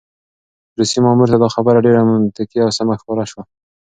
روسي مامور ته دا خبره ډېره منطقي او سمه ښکاره شوه.